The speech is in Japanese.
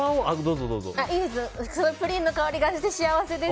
プリンの香りがして幸せです！